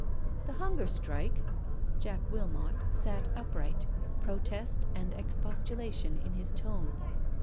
"The Hunger Strike I" Jack Wilmot sat upright, protest and expostulation in his tone.